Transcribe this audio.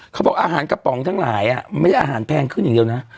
เขาบอกอาหารกระป๋องทั้งหลายไม่ได้อาหารแพงขึ้นอย่างเดียวนะ